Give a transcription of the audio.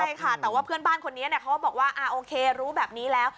ใช่ค่ะแต่ว่าเพื่อนบ้านคนนี้เขาก็บอกว่าโอเครู้แบบนี้แล้ว